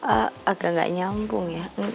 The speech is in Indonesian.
ah agak gak nyambung ya